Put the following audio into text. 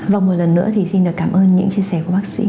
vâng một lần nữa thì xin được cảm ơn những chia sẻ của bác sĩ